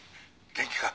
元気か？